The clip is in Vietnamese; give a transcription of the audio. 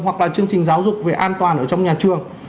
hoặc là chương trình giáo dục về an toàn ở trong nhà trường